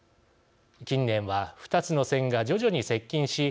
近年は２つの線が徐々に接近し